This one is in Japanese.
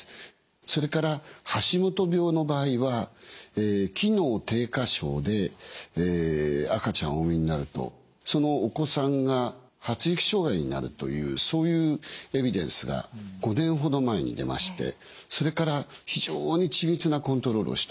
それから橋本病の場合は機能低下症で赤ちゃんをお産みになるとそのお子さんが発育障害になるというそういうエビデンスが５年ほど前に出ましてそれから非常に緻密なコントロールをしております。